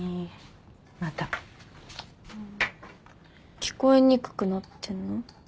聞こえにくくなってんの？